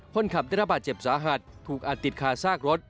คนขับได้รับบาดเจ็บสาหัสถูกอัดติดคาซากรถ